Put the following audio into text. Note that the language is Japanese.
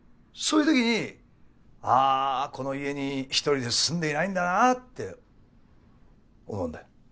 そういうときにああこの家に一人で住んでいないんだなって思うんだよ。